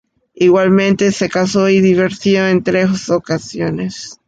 Igualmente, se casó y divorció en tres ocasiones.